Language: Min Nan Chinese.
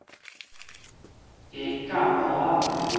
家甲簿仔